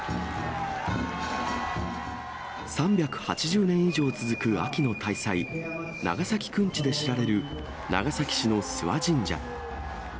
３８０年以上続く秋の大祭、長崎くんちで知られる、長崎市の諏訪神社。